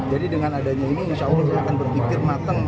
jadi dengan adanya ini insya allah saya akan berpikir matang